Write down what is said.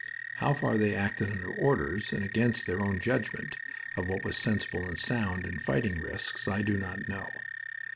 How far they acted under orders and against their own judgment of what was sensible and sound in fighting risks I do not know.